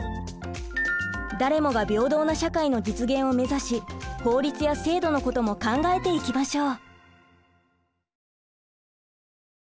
誰もが平等な社会の実現をめざし法律や制度のことも考えていきましょう。